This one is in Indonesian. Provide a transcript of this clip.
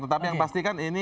tetapi yang pasti kan ini